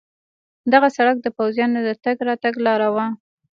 دغه سړک د پوځیانو د تګ راتګ لار وه.